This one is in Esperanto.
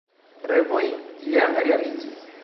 Revoj ja realiĝis!